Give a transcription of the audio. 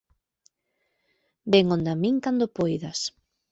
Ven onda min cando poidas